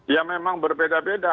ya memang berbeda beda